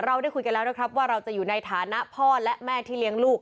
เราได้คุยกันแล้วนะครับว่าเราจะอยู่ในฐานะพ่อและแม่ที่เลี้ยงลูก